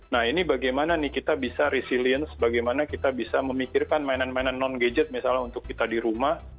nah ini bagaimana nih kita bisa resilience bagaimana kita bisa memikirkan mainan mainan non gadget misalnya untuk kita di rumah